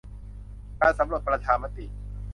การสำรวจประชามติ